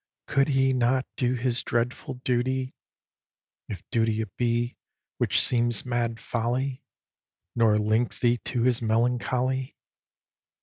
Could he not do his dreadful duty, (If duty it be, which seems mad folly) Nor link thee to his melancholy?